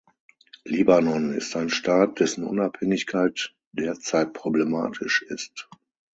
Libanon ist ein Staat, dessen Unabhängigkeit derzeit problematisch ist.